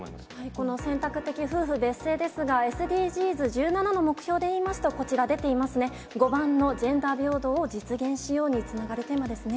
この選択的夫婦別姓ですが、ＳＤＧｓ１７の目標で言いますと、こちら出ていますね、５番のジェンダー平等を実現しように、つながるテーマですね。